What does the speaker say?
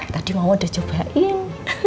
tadi mama udah cobain